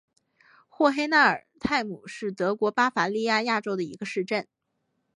霍黑纳尔泰姆是德国巴伐利亚州的一个市镇。